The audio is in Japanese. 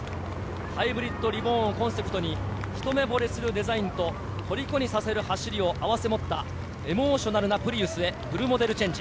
「ＨｙｂｒｉｄＲｅｂｏｒｎ」をコンセプトに、一目ぼれするデザインと虜にさせる走りを併せ持ったエモーショナルなプリウスでフルモデルチェンジ。